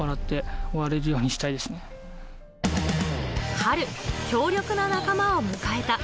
春、強力な仲間を迎えた。